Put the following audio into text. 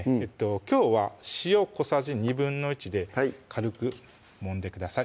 きょうは塩小さじ１／２で軽くもんでください